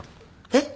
えっ！？